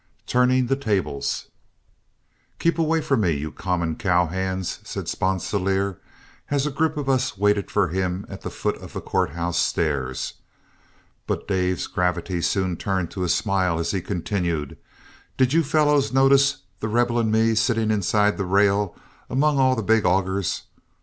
TURNING THE TABLES "Keep away from me, you common cow hands," said Sponsilier, as a group of us waited for him at the foot of the court house stairs. But Dave's gravity soon turned to a smile as he continued: "Did you fellows notice The Rebel and me sitting inside the rail among all the big augers?